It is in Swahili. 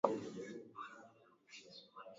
Inaelekea mlalamikaji Punja Kara Haji alitumia waraka